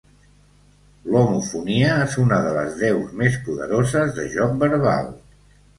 L'homofonia és una de les deus més poderoses de joc verbal.